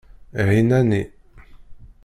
ɛinani.